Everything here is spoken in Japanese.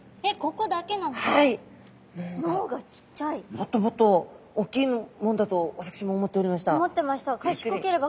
もっともっと大きいもんだと私も思っておりました。